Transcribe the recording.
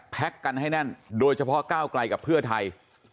กันให้แน่นโดยเฉพาะก้าวไกลกับเพื่อไทย